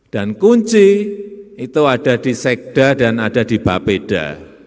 kunci itu ada di sekda dan ada di bapeda